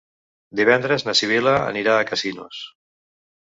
Divendres na Sibil·la anirà a Casinos.